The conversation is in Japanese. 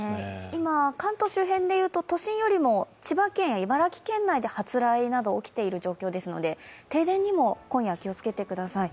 今、関東周辺でいうと都心よりも千葉県や茨城県で発雷など起きている状況ですので停電にも今夜、気を付けてください